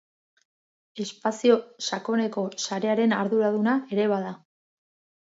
Espazio Sakoneko Sarearen arduraduna ere bada.